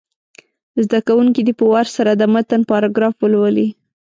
زده کوونکي دې په وار سره د متن پاراګراف ولولي.